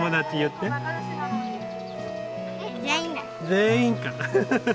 全員か。